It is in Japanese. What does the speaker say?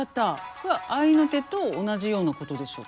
これは合いの手と同じようなことでしょうかね。